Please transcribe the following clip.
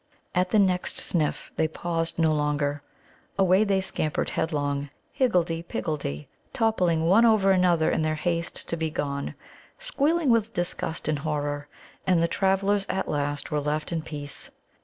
At the next sniff they paused no longer. Away they scampered headlong, higgledy piggledy, toppling one over another in their haste to be gone, squealing with disgust and horror; and the travellers at last were left in peace.